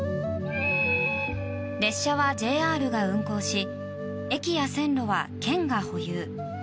列車はＪＲが運行し駅や線路は県が保有。